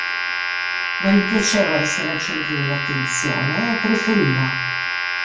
Non gli piaceva essere al centro dell'attenzione, e preferiva.